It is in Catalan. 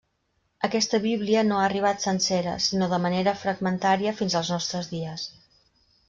Aquesta Bíblia no ha arribat sencera sinó de manera fragmentària fins als nostres dies.